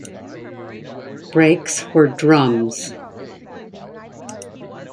Brakes were drums.